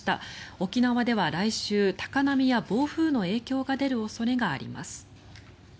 沖縄では来週、高波や暴風の影響が出る恐れがあります。